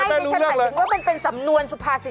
ไม่แต่ฉันแบบนึงว่าเป็นสำนวนสุภาษิ